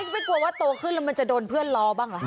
ไม่กลัวว่าโดกขึ้นมันจะโดนเพื่อนรอบ้างว่ะ